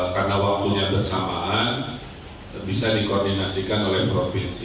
karena waktunya bersamaan bisa dikoordinasikan oleh provinsi